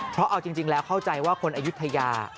เพราะเอาจริงแล้วเข้าใจว่าคนอายุทยา